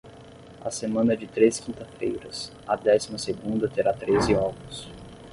A semana de três quintas-feiras, a décima segunda terá treze ovos.